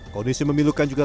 kondisi memilukan juga